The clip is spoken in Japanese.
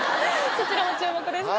そちらも注目ですね